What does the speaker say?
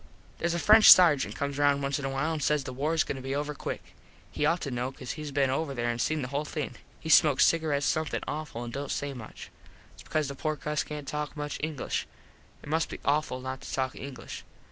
Theres a French sargent comes round once in a while an says the war is goin to be over quick. He ought to know cause hes been over there an seen the whole thing. He smokes cigarets something awful an dont say much. Thats because the poor cus cant talk much English. It must be awful not to talk English.